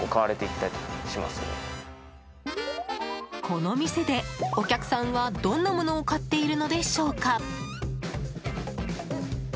この店で、お客さんはどんなものを買っているのでしょうか。